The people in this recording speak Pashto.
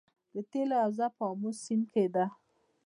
د تیلو حوزه په امو سیند کې ده